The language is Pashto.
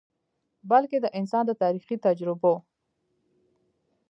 بلکه د انسان د تاریخي تجربو ،